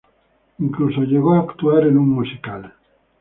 Incluso llegó a actuar en un musical.